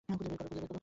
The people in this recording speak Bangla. খুঁজে বের কর।